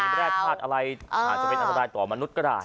อันนี้แรดผลาดอะไรอ่าอาจจะเป็นอันตรายต่อมนุษย์ก็ได้ใช่